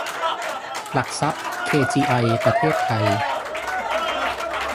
หลักทรัพย์ เคจีไอ ประเทศไทย